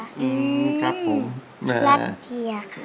รับเตี๋ยค่ะ